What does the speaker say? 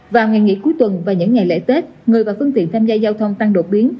vào ngày nghỉ cuối tuần và những ngày lễ tết người và phương tiện tham gia giao thông tăng đột biến